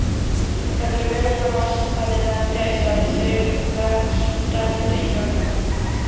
El primero fue más adelante a establecer la Sultanato de Johor.